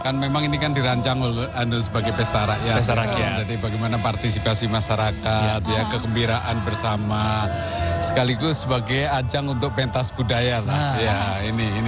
kan memang ini kan dirancang oleh anda sebagai pesta rakyat jadi bagaimana partisipasi masyarakat ya kegembiraan bersama sekaligus sebagai ajang untuk pentas budaya lah